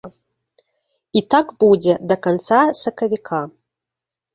І так будзе да канца сакавіка.